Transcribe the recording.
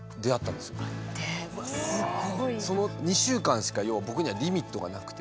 その２週間しか要は僕にはリミットがなくて。